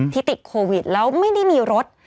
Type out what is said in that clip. ติดโควิดแล้วไม่ได้มีรถ